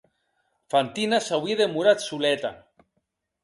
Fantina s’auie demorat soleta.